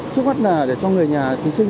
trước mắt để cho người nhà thí sinh